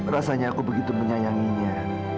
rasanya aku begitu menyayanginya